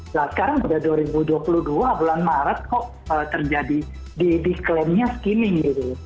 nah sekarang udah dua ribu dua puluh dua bulan maret kok terjadi di disclaimnya skimming gitu